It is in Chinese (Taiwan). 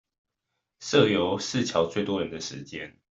社遊是喬最多人的時間